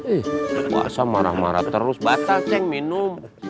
eh puasa marah marah terus batas ceng minum